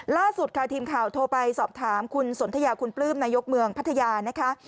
ล่าสุดค่ะทีมข่าวโทรไปสอบถามคุณสนทยาคุณปลื้มนายกเมืองพัทยานะคะ